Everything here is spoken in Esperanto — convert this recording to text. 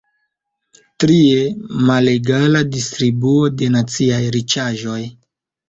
Trie: malegala distribuo de naciaj riĉaĵoj.